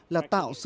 là tạo sự nhất quả